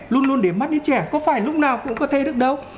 luôn luôn để mắt đến trẻ có phải lúc nào cũng có thay được đâu